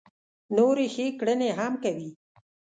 نورې ښې کړنې هم کوي.